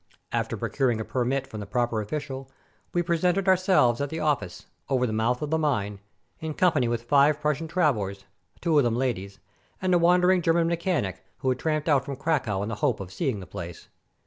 After procuring a permit from the proper official, we presented ourselves at the office, over the mouth of the mine, in company with five Prussian travelers, two of them ladies, and a wandering German mechanic, who had tramped out from Cracow in the hope of seeing the place.